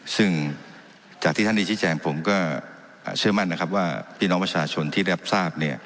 ซึ่งจากที่ท่านได้ชี้แจงผมก็เชื่อมั่นนะครับว่าพี่น้องประชาชนที่รับทราบ